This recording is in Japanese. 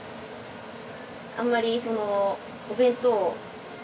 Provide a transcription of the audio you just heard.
あんまりそのお弁当。